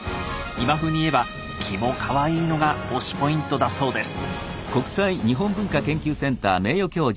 今風に言えばキモカワイイのが推しポイントだそうです。